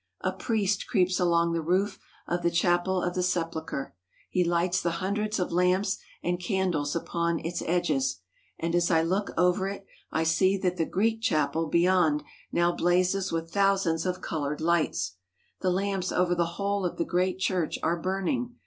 A priest creeps along the roof of the chapel of the Sepulchre. He lights the hundreds of lamps and candles upon its edges; and as I look over it I see that the Greek chapel beyond now blazes with thousands of coloured lights. The lamps over the whole of the great church are burning.